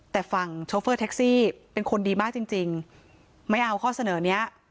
แต่ฝั่งโชเฟอร์แท็กซี่เป็นคนดีมากจริงจริงไม่เอาข้อเสนอนี้